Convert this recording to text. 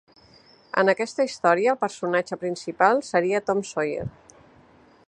En aquesta història, el personatge principal seria Tom Sawyer.